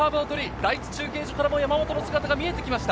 第１中継所から山本の姿が見えてきました。